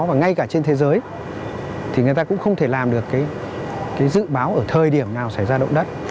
và ngay cả trên thế giới thì người ta cũng không thể làm được cái dự báo ở thời điểm nào xảy ra động đất